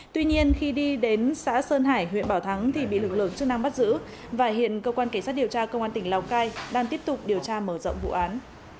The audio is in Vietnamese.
tuy nhiên khi đi đến xã sơn hải huyện bảo thắng thì bị lực lượng chức năng bắt giữ và hiện cơ quan cảnh sát điều tra công an tỉnh lào cai đang tiếp tục điều tra mở rộng vụ án